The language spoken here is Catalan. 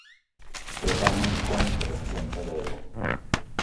Tothom en compra, d'emperador.